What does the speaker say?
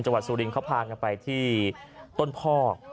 จังหวัดสูรินเขาพากันไปที่ต้นพอก